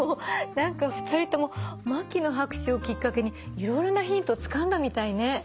何か２人とも牧野博士をきっかけにいろいろなヒントをつかんだみたいね。